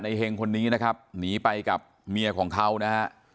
เฮงคนนี้นะครับหนีไปกับเมียของเขานะฮะ